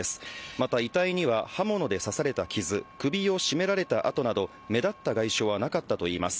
また、遺体には刃物で切られた傷、首を絞められたあとなど目立った外傷はなかったといいます。